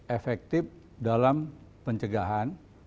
efektif dalam pencegahan